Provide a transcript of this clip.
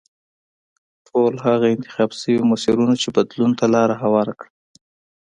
ټول هغه انتخاب شوي مسیرونه چې بدلون ته لار هواره کړه.